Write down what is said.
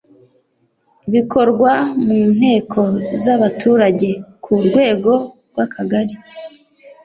bikorwa mu nteko z’abaturage ku rwego rw’akagari